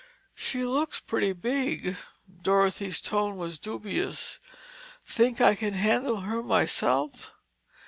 "She looks pretty big," Dorothy's tone was dubious. "Think I can handle her by myself?"